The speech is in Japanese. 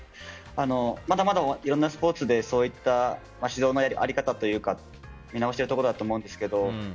まだまだ、いろんなスポーツで指導の在り方というか見直しているところだと思うんですけど。